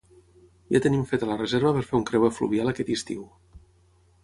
Ja tenim feta la reserva per fer un creuer fluvial aquest estiu